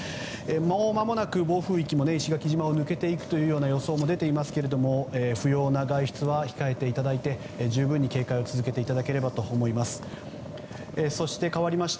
もう間もなく暴風域を石垣島が出て行くという予想も出ていますが不要な外出は控えていただいて、十分に警戒を続けていただければと思います。